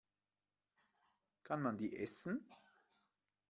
Kann man die essen?